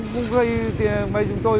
cũng gây cho chúng tôi